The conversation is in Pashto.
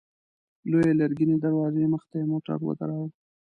لويې لرګينې دروازې مخته يې موټر ودراوه.